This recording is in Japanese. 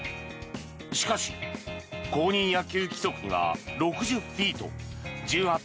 しかし、公認野球規則には６０フィート